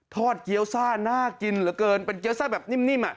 เกี้ยวซ่าน่ากินเหลือเกินเป็นเกี้ยซ่าแบบนิ่ม